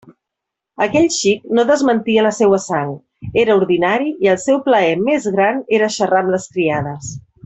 Aquell xic no desmentia la seua sang; era ordinari, i el seu plaer més gran era xarrar amb les criades.